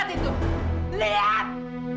liat itu liat